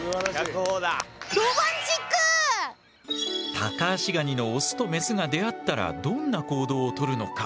タカアシガニのオスとメスが出会ったらどんな行動をとるのか。